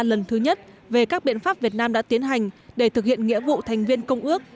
lần thứ nhất về các biện pháp việt nam đã tiến hành để thực hiện nghĩa vụ thành viên công ước